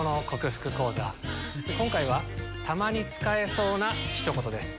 今回はたまに使えそうなひと言です。